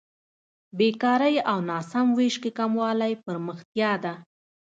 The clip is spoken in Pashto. بېکارۍ او ناسم وېش کې کموالی پرمختیا ده.